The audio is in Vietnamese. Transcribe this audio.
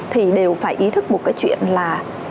thì đều phải ý thức một cái chuyện là